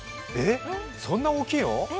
そんな大きいの？